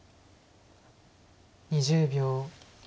２０秒。